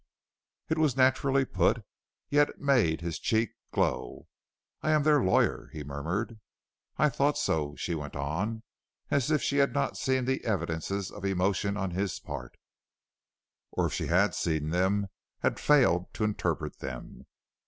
It was naturally put, yet it made his cheek glow. "I am their lawyer," he murmured. "I thought so," she went on as if she had not seen the evidences of emotion on his part, or if she had seen them had failed to interpret them.